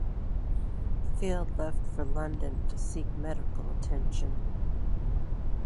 Field left for London to seek medical attention.